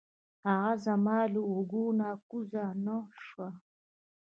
هغه زما له اوږو نه کوز نه شو.